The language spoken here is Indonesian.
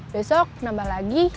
besok nambah lagi